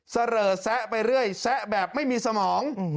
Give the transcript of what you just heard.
เสลอแซะไปเรื่อยแซะแบบไม่มีสมอง